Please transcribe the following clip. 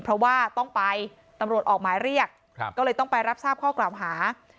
เพราะว่าต้องไปตำรวจออกหมายเรียกก็เลยต้องไปรับทราบข้อกล่าวหา